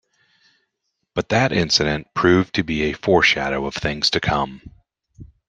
But that incident proved to be a foreshadow of things to come.